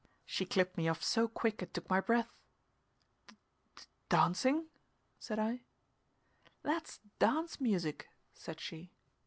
She clipped me off so quick it took my breath. "D d dancing?" said I. "That's dance music," said she.